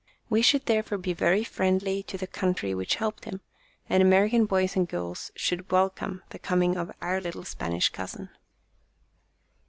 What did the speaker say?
We should therefore be very friendly to the country which helped him, and Ameri can boys and girls should welcome the coming of Our Little Spanish Cousin.